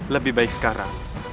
lebih baik sekarang